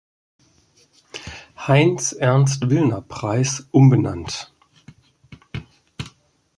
Heyn’s Ernst-Willner-Preis“ umbenannt.